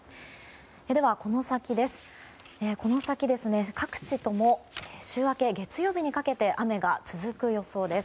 この先ですが、各地とも週明け、月曜日にかけて雨が続く予想です。